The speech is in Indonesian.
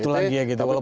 itu lagi ya gitu